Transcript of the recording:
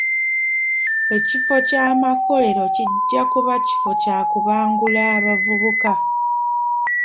Ekifo ky'amakolero kijja kuba kifo kya kubangula abavubuka .